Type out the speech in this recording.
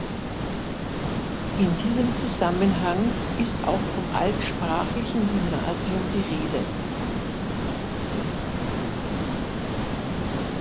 In diesem Zusammenhang ist auch vom „altsprachlichen Gymnasium“ die Rede.